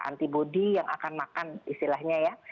jadi antibody yang akan makan istilahnya ya